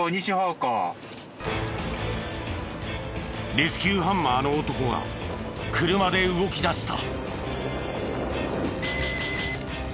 レスキューハンマーの男が車で動き出した。